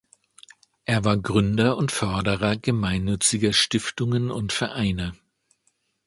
Er war Gründer und Förderer gemeinnütziger Stiftungen und Vereine.